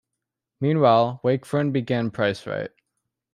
Meanwhile, Wakefern began PriceRite.